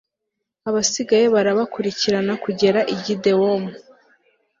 abasigaye barabakurikirana kugera i gidewomu